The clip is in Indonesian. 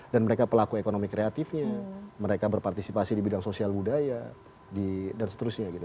dan mereka pelaku ekonomi kreatifnya mereka berpartisipasi di bidang sosial budaya dan seterusnya gitu